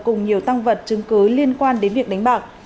cùng nhiều tăng vật chứng cứ liên quan đến việc đánh bạc